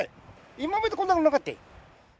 今までこんなのなかったよ。